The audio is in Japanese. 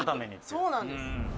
「そうなんです」